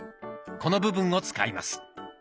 この部分を使います。